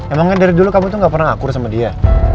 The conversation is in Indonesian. emangnya dari dulu kamu tuh gak pernah ngakur sama dia